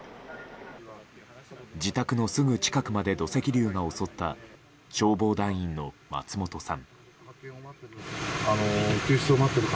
自宅のすぐ近くまで土石流が襲った消防団員の松本さん。